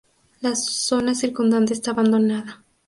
La zona circundante está abandonada.